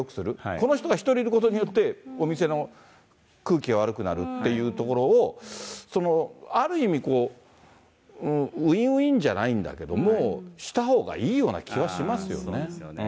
この人が１人いることによってお店の空気が悪くなるっていうところを、ある意味、ウィンウィンじゃないんだけど、したほうがいいような気はしますそうですよね。